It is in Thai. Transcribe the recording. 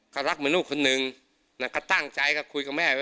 ก็รักเหมือนลูกคนนึงก็ตั้งใจก็คุยกับแม่ไว้